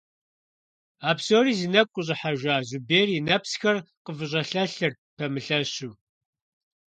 А псори зи нэгу къыщIыхьэжа Зубер и нэпсхэр къыфIыщIэлъэлъырт, пэмылъэщу.